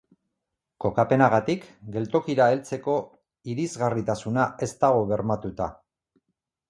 Kokapenagatik, geltokira heltzeko irisgarritasuna ez dago bermatuta.